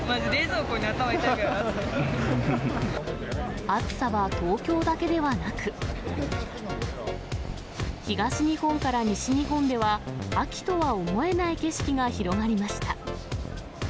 まじ、暑さは東京だけではなく。東日本から西日本では、秋とは思えない景色が広がりました。